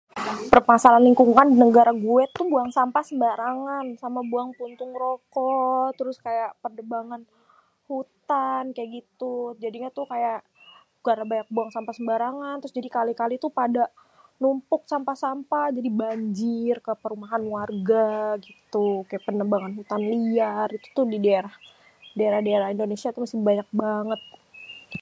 Permasalahan lingkungan tuh negara gue tuh buang sampah sembarangan sama buang puntung rokok, terus penebangan hutan kayak gitu, jadinya tuh kayak gara-gara banyak buang sampah sembarangan, terus jadi kali-kali numpuk banyak sampah jadi banjir ke perumahan warga gitu kayak penebangan hutan liar itu tu di daerah-daerah Indonesia tu masih banyak banget.